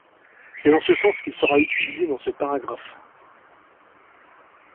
C’est dans ce sens qu’il sera utilisé dans ce paragraphe.